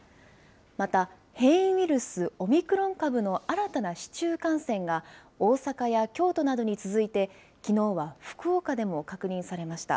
また、変異ウイルス、オミクロン株の新たな市中感染が、大阪や京都などに続いて、きのうは福岡でも確認されました。